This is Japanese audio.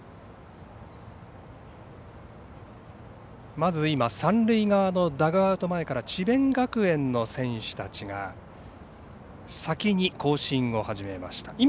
まず今、三塁側のダグアウト前から智弁学園の選手たちが先に行進を始めました。